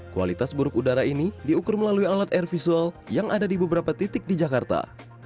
kualitas buruk udara ini diukur melalui alat air visual yang ada di beberapa titik di jakarta